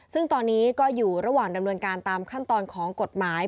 ซึ่งตอนนี้ก็อยู่ระหว่างดำเนินการตามขั้นตอนของกฎหมาย